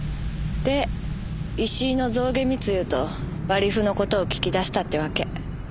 で石井の象牙密輸と割り符の事を聞き出したってわけ。